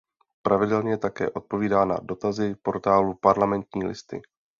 Pravidelně také odpovídá na dotazy portálu Parlamentní listy.